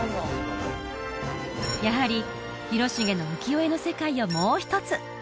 やはり広重の浮世絵の世界をもう一つ